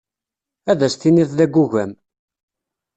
Ad as-tiniḍ d agugam.